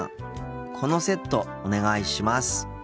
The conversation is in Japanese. このセットお願いします。